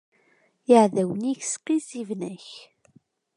Iɛdawen-ik sqizziben-ak.